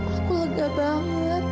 aku lega banget